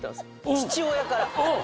父親から。